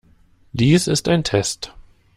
Dies ist ein Test.